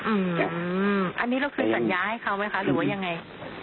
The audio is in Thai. อันนี้เราเคยสัญญาให้เขาไหมคะหรือว่ายังไง